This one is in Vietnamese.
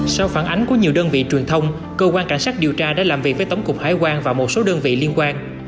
sau phản ánh của nhiều đơn vị truyền thông cơ quan cảnh sát điều tra đã làm việc với tổng cục hải quan và một số đơn vị liên quan